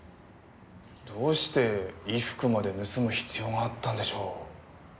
どうして衣服まで盗む必要があったんでしょう。